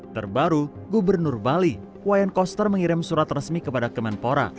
terbaru gubernur bali wayan koster mengirim surat resmi kepada kemenpora